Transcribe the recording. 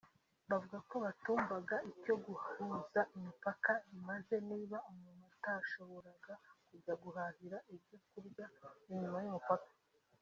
bavuga ko batumvaga icyo guhuza imipaka bimaze niba umuntu atashoboraga kujya guhahira ibyo kurya inyuma y’umupaka